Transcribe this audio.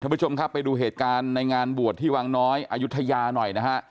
ผู้ชมครับไปดูเหตุการณ์ในงานบวชที่วังน้อยอายุทยาหน่อยนะฮะ